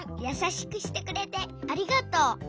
やさしくしてくれてありがとう。